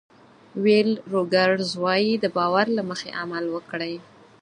ویل روګرز وایي د باور له مخې عمل وکړئ.